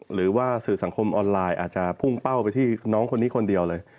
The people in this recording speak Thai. หรือว่าสื่อสังคมออนไลน์อาจจะพุ่งเป้าไปที่น้องคนนี้คนเดียวเลย